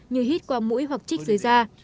như hít qua mũi hoặc trích dưới da